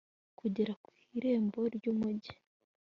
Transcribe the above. kugera ku irembo ry'umugi